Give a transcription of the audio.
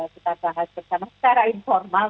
bahas bersama secara informal